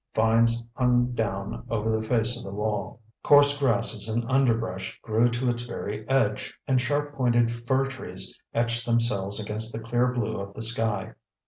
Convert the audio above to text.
Vines hung down over the face of the wall, coarse grasses and underbrush grew to its very edge, and sharp pointed fir trees etched themselves against the clear blue of the sky.